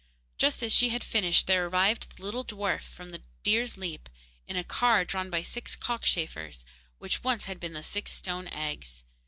Just as she had finished there arrived the little dwarf from the Deer's Leap in a car drawn by six cockchafers, which once had been the six stone eggs.